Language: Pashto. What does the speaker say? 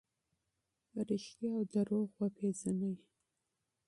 حق او باطل وپیژنئ.